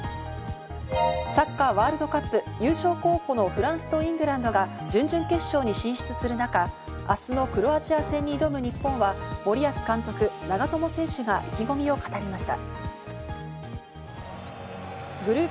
サッカーワールドカップ、優勝候補のフランスとイングランドが準々決勝に進出する中、明日のクロアチア戦に挑む日本は森保監督、長友選手が意気込みを語りました。